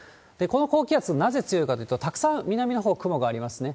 この高気圧、なぜ強いかというと、たくさん、南のほう、雲がありますね。